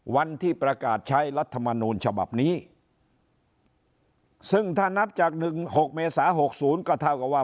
วันที่ประกาศใช้รัฐมนูลฉบับนี้ซึ่งถ้านับจาก๑๖เมษา๖๐ก็เท่ากับว่า